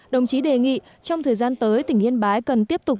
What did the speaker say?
đồng chí đề nghị trong thời gian tới tỉnh yên bái cần tiếp tục